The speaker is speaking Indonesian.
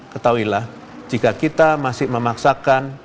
ketahuilah jika kita masih memaksakan